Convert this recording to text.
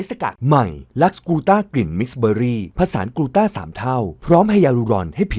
แต่ฉันอยากมีเพื่อนมีคนดี